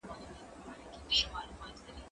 هغه وويل چي درسونه تيارول ضروري دي!؟